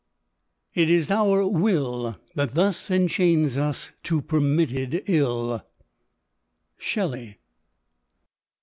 It is our will That thus enchains us to permitted ill. Shelley.